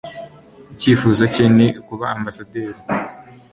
Icyifuzo cye ni ukuba ambasaderi.